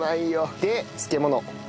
で漬物。